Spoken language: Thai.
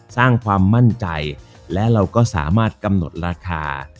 สร้างความมั่นใจและเราก็สามารถกำหนดราคา